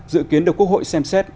dự kiến được quốc hội xem xét